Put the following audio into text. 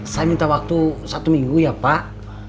saya minta waktu satu minggu ya pak